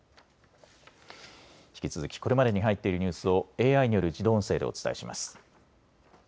引き続きこれまでに入っているニュースをＡＩによる自動音声でお伝えします。